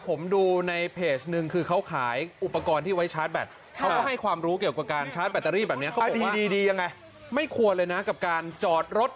ผมดูในเพจนึงคือเขาขายอุปกรณ์ที่ไว้ชาร์จแบต